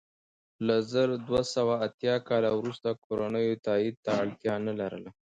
له زر دوه سوه اتیا کال وروسته کورنیو تایید ته اړتیا نه لرله.